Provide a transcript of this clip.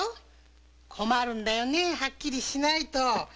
困るんだはっきりしないと。